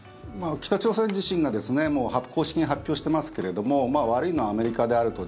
北朝鮮自身が公式に発表してますけれども悪いのはアメリカであると。